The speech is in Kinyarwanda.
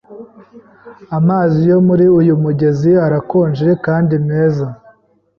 Amazi yo muri uyu mugezi arakonje kandi meza.